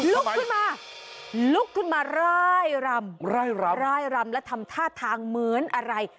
ลุกขึ้นมาลุกขึ้นมาร่ายรำไร่รำร่ายรำและทำท่าทางเหมือนอะไร